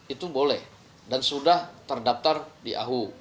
itu boleh dan sudah terdaftar di ahu